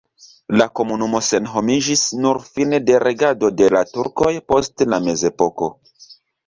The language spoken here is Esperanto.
La komunumo senhomiĝis nur fine de regado de la turkoj post la mezepoko.